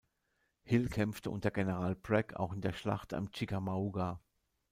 Hill kämpfte unter General Bragg auch in der Schlacht am Chickamauga.